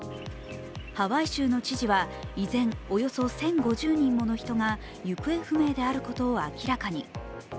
ハワイ州の知事は、依然およそ１０５０人もの人が行方不明であることを明らかに。